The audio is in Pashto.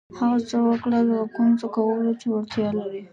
هغه څه وکړه د کوم څه کولو چې وړتیا لرئ.